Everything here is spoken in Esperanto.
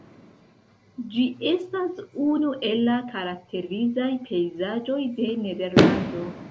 Ĝi estas unu el la karakterizaj pejzaĝoj de Nederlando.